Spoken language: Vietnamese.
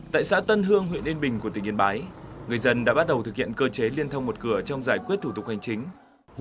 tại xã tân hương huyện yên bình của tỉnh yên bái người dân đã bắt đầu thực hiện cơ chế liên thông một cửa trong giải quyết thủ tục hành chính